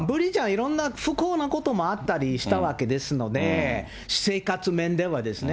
いろんな不幸なこともあったりしたわけですので、私生活面ではですね。